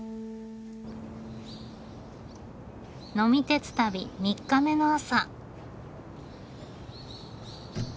呑み鉄旅三日目の朝。